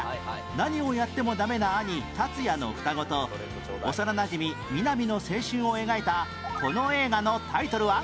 何をやってもダメな兄達也の双子と幼なじみ南の青春を描いたこの映画のタイトルは？